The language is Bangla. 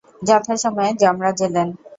যথা সময়ে যম রাজ এলেন।